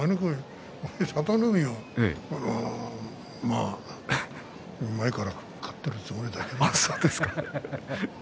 佐田の海は前から買ってるつもりだけどね。